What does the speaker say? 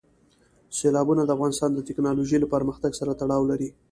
سیلابونه د افغانستان د تکنالوژۍ له پرمختګ سره تړاو لري.